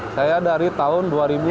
saya dari tahun dua ribu tujuh belas